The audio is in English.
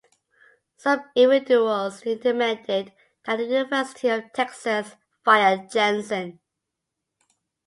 Some individuals demanded that The University of Texas fire Jensen.